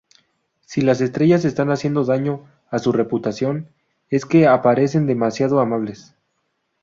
Si las estrellas están haciendo daño a su reputación, es que aparecen demasiado amables.